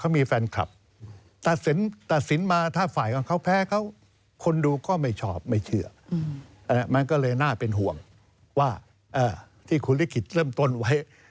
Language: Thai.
มันก็เลยน่าเป็นหวงว่าเอ่อที่คุณลิศจิตเริ่มต้นไว้